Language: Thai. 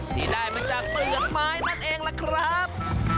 ที่ได้มาจากเปลือกไม้นั่นเองล่ะครับ